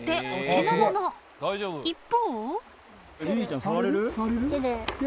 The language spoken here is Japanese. ［一方］